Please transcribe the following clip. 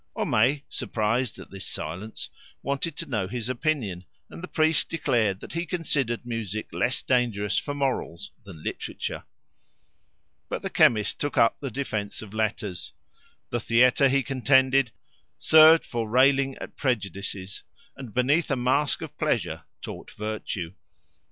Homais, surprised at this silence, wanted to know his opinion, and the priest declared that he considered music less dangerous for morals than literature. But the chemist took up the defence of letters. The theatre, he contended, served for railing at prejudices, and, beneath a mask of pleasure, taught virtue.